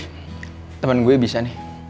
eh temen gue bisa nih